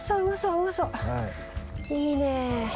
いいね。